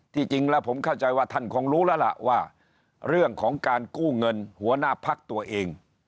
จริงแล้วผมเข้าใจว่าท่านคงรู้แล้วล่ะว่าเรื่องของการกู้เงินหัวหน้าพักตัวเอง